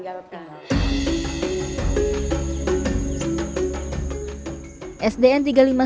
jadi kita tinggal berpengalaman